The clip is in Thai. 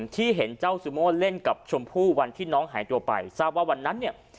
ที่เห็นเจ้าซูโม่เล่นกับชมพู่วันที่น้องหายตัวไปทราบว่าวันนั้นเนี่ย